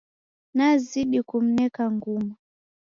Nazidi kumneka nguma